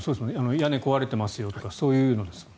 屋根が壊れてますよとかそういうのですもんね。